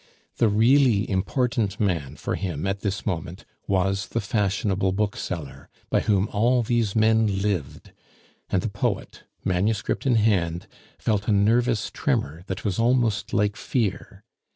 The really important man for him at this moment was the fashionable bookseller, by whom all these men lived; and the poet, manuscript in hand, felt a nervous tremor that was almost like fear.